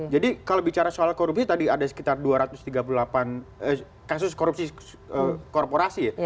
kalau bicara soal korupsi tadi ada sekitar dua ratus tiga puluh delapan kasus korupsi korporasi